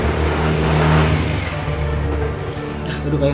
nah duduk ayo